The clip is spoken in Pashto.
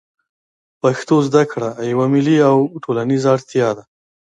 پښتو زده کړه یوه ملي او ټولنیزه اړتیا ده